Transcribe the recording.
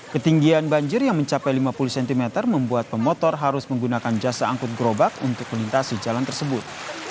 ketinggian banjir yang mencapai lima puluh cm membuat pemotor harus menggunakan jasa angkut gerobak untuk melintasi jalan tersebut